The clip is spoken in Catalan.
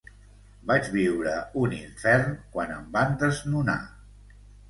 Vaig viure un infern quan em van desnonar.